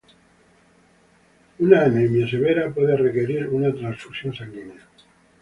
Una anemia severa puede requerir una transfusión sanguínea.